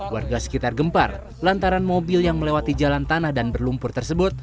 warga sekitar gempar lantaran mobil yang melewati jalan tanah dan berlumpur tersebut